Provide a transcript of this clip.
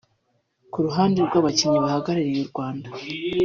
Ku ruhande rw’Abakinnyi bahagarariye u Rwanda